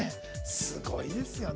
すごいですね。